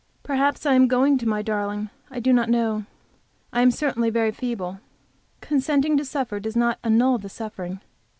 Perhaps I am going to my darling I do not know I am certainly very feeble. Consenting to suffer does not annul the suffering.